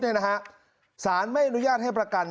มึงอยากให้ผู้ห่างติดคุกหรอ